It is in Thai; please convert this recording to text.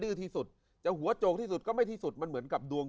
ื้อที่สุดจะหัวโจกที่สุดก็ไม่ที่สุดมันเหมือนกับดวง